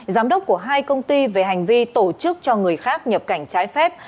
giám đốc của hai công ty về hành vi tổ chức cho người khác nhập cảnh trái phép